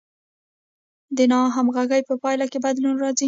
د ناهمغږۍ په پایله کې بدلون راځي.